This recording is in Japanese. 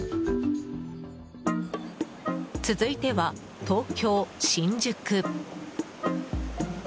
続いては東京・新宿。